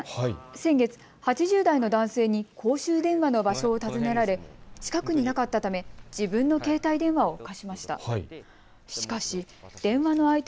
先月８０代の男性に公衆電話の場所を尋ねられ近くになかったため自分の携帯電話を貸しました。